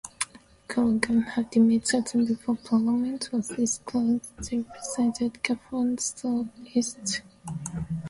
Callaghan had immediately before Parliament was dissolved represented Cardiff South East.